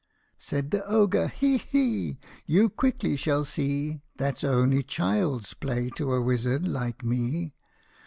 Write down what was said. Said the Ogre, "He! he! You quickly shall see That 's only child's play to a wizard like me